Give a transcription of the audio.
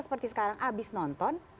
seperti sekarang habis nonton